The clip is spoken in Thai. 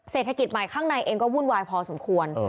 เศรษฐกิจใหม่ข้างในเองก็วุ่นวายพอสมควร